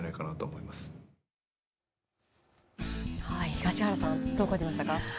東原さんどう感じましたか？